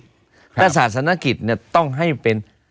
ถ้าศาสนกฤตต้องให้เป็น